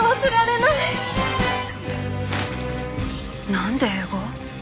なんで英語？